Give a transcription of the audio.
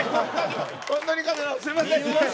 すいません。